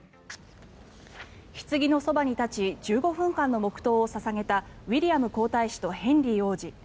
ひつぎのそばに立ち１５分間の黙祷を捧げたウィリアム皇太子とヘンリー王子。